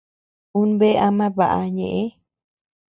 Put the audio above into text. Un bea ama baʼa ñeʼë.